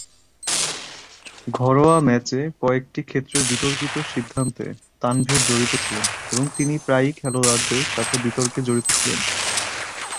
ঘরোয়া ম্যাচে কয়েকটি ক্ষেত্রের বিতর্কিত সিদ্ধান্তে তানভীর জড়িত ছিলেন এবং তিনি প্রায়ই খেলোয়াড়দের সাথে বিতর্কে জড়িত ছিলেন।